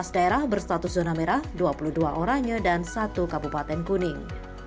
tujuh belas daerah berstatus zona merah dua puluh dua oranye dan satu kabupaten kuning